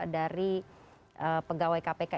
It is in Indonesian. dari pegawai kpk